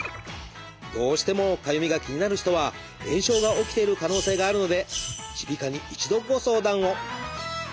どうしてもかゆみが気になる人は炎症が起きている可能性があるので耳鼻科に一度ご相談を！